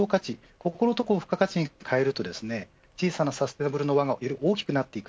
ここを付加価値に変えると小さなサステナブルの輪がより大きくなってくる。